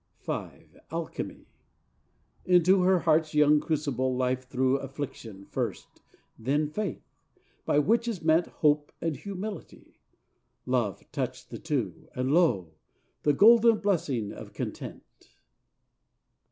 V Alchemy Into her heart's young crucible Life threw Affliction first, then Faith, by which is meant Hope and Humility: Love touched the two, And, lo! the golden blessing of Content.